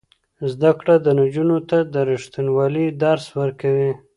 زده کړه نجونو ته د ریښتینولۍ درس ورکوي.